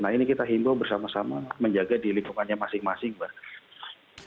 nah ini kita himbau bersama sama menjaga di lingkungannya masing masing mbak